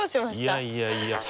いやいやいや。